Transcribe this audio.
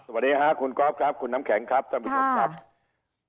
สวัสดีค่ะคุณกอล์ฟครับคุณน้ำแข็งครับท่านผู้ชมครับ